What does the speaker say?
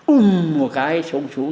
úm một cái xuống xuống